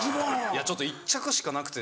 いやちょっと１着しかなくて。